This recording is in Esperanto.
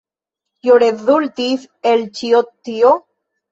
Kio rezultis el ĉio tio?